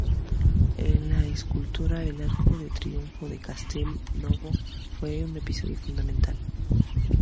En la escultura el arco de triunfo del Castel Nuovo fue un episodio fundamental.